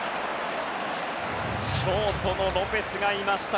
ショートのロペスがいました。